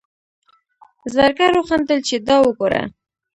زرګر وخندل چې دا وګوره.